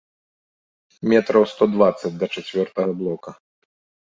Метраў сто дваццаць да чацвёртага блока.